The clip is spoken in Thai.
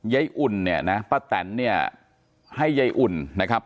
อุ่นเนี่ยนะป้าแตนเนี่ยให้ยายอุ่นนะครับ